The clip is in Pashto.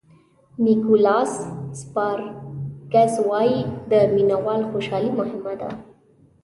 نیکولاس سپارکز وایي د مینه وال خوشالي مهمه ده.